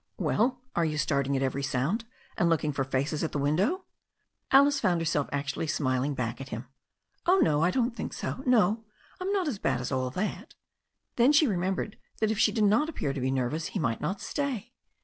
'Well, are you starting at every sound, and looking for faces at the window?" Alice found herself actually smiling back at him. "Oh, no, I don't think — ^no, I'm not as bad as that." Then she remembered that if she did not appear to be nervous he might not stay.